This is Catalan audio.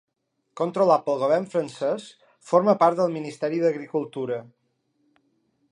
Controlat pel govern francès, forma part del Ministeri d'Agricultura.